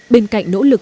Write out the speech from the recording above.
bên cạnh nỗ lực